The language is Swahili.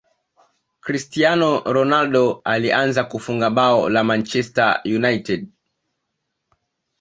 cristiano ronaldo alianza kufunga bao la manchester unite